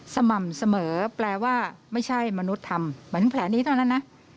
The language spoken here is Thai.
สม่ำเสมอแปลว่าไม่ใช่มนุษย์ทำเหมือนแผลนี้เท่านั้นนะ